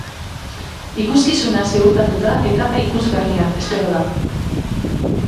Ikuskizuna ziurtatuta, etapa ikusgarria espero da.